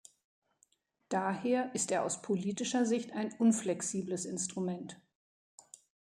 Daher ist er aus politischer Sicht ein unflexibles Instrument.